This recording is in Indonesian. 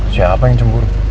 siapa yang cemburu